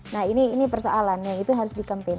nah ini persoalannya itu harus di campaign